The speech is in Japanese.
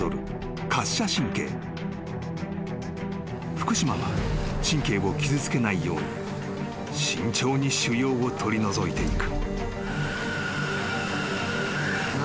［福島は神経を傷つけないように慎重に腫瘍を取り除いていく］